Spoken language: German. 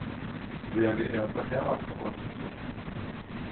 Sehr geehrter Herr Abgeordneter!